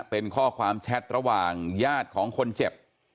เป็นข้อความแชทระหว่างญาติของคนเจ็บ